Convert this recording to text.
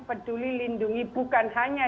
peduli lindungi bukan hanya